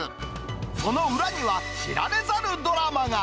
その裏には、知られざるドラマが。